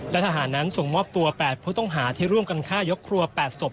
และทหารนั้นส่งมอบตัว๘ผู้ต้องหาที่ร่วมกันฆ่ายกครัว๘ศพ